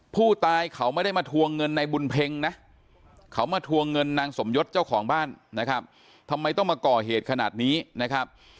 ผู้ตายเขาไม่ได้มาทวงเงินในบุญเพ็งนะเขามาทวงเงินนางสมยศเจ้าของบ้านนะครับทำไมต้องมาก่อเหตุขนาดนี้นะครับ